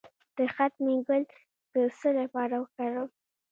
د ختمي ګل د څه لپاره وکاروم؟